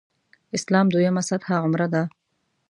اسلام دویمه سطح عمره ده.